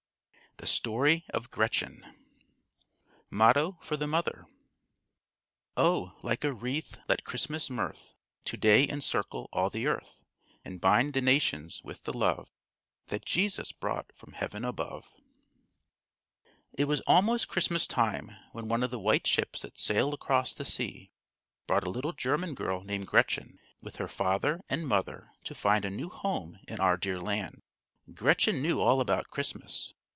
THE STORY OF GRETCHEN MOTTO FOR THE MOTHER _Oh! like a wreath, let Christmas mirth To day encircle all the earth, And bind the nations with the love That Jesus brought from heaven above_. It was almost Christmas time when one of the white ships that sail across the sea brought a little German girl named Gretchen, with her father and mother, to find a new home in our dear land. Gretchen knew all about Christmas.